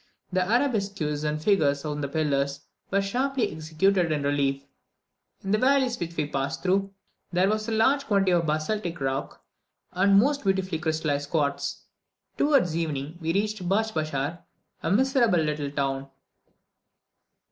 The arabesques and figures on the pillars were sharply executed in relief. In the valleys which we passed through, there was a large quantity of basaltic rock and most beautifully crystallized quartz. Towards evening, we reached Batschbachar, a miserable little town.